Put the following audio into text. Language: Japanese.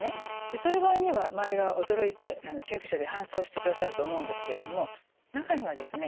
そういう場合には周りが驚いて救急車で搬送してくださると思うんですけれども中にはですね